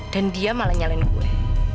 dan dia malah nyalain gue